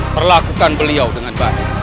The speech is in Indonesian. perlakukan beliau dengan baik